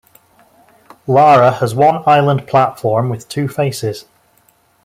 Lara has one island platform with two faces.